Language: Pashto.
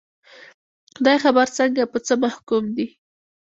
خدای خبر څنګه، په څه محکوم دي